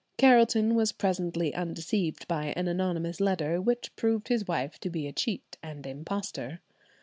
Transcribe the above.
Carelton was presently undeceived by an anonymous letter, which proved his wife to be a cheat and impostor.